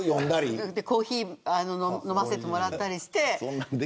コーヒー飲ませてもらったりして。